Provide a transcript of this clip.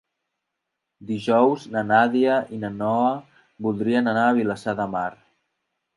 Dijous na Nàdia i na Noa voldrien anar a Vilassar de Mar.